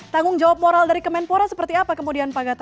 tanggung jawab moral dari kemenpora seperti apa kemudian pak gatot